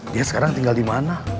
dia sekarang tinggal dimana